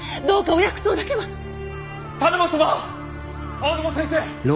青沼先生！